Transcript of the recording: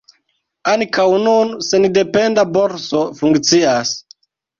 Ankaŭ nun sendependa borso funkcias.